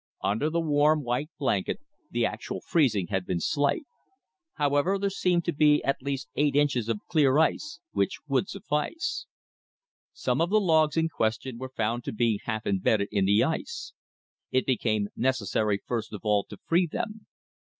Under the warm white blanket, the actual freezing had been slight. However, there seemed to be at least eight inches of clear ice, which would suffice. Some of the logs in question were found to be half imbedded in the ice. It became necessary first of all to free them.